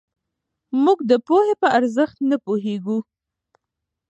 موږ د پوهې په ارزښت ښه پوهېږو.